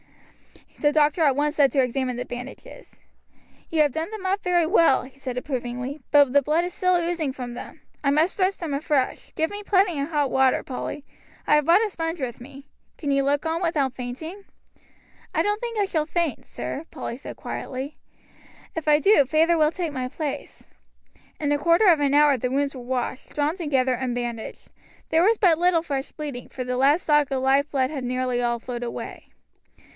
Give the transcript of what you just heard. The doctor at once set to to examine the bandages. "You have done them up very well," he said approvingly; "but the blood is still oozing from them. I must dress them afresh; get me plenty of hot water, Polly, I have brought a sponge with me. Can you look on without fainting?" "I don't think I shall faint, sir," Polly said quietly; "if I do, feyther will take my place." In a quarter of an hour the wounds were washed, drawn together, and bandaged. There was but little fresh bleeding, for the lad's stock of life blood had nearly all flowed away.